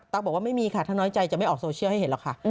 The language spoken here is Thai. บอกว่าไม่มีค่ะถ้าน้อยใจจะไม่ออกโซเชียลให้เห็นหรอกค่ะ